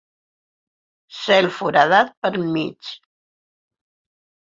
Zel foradat pel mig.